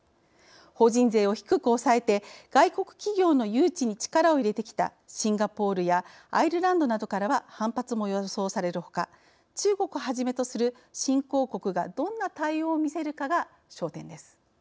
法人税を低く抑えて外国企業の誘致に力を入れてきたシンガポールやアイルランドなどからは反発も予想されるほか中国をはじめとする新興国がどんな対応を見せるかが焦点です。